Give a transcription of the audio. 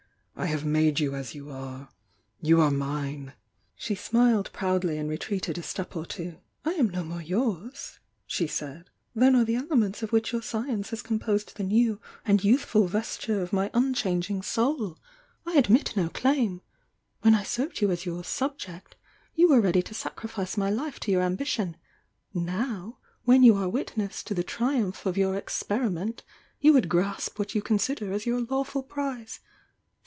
I have made you as you are! — you are mine!" She smiled proudly and retreated a step or two. "I am no more yours," she said, "than are the elements of which your science has composed the new and youthful vesture of my unchanging Soul! THE yoUNG DIANA 879 I admit no claim. When I served you aa your 'aub jejt, you were ready to sacrifice my life to your ambitjon; now when you are witness to the triumph ^iZ?""" "P«''"''"ent,; you would grasp what you con aider aa your lawful prize.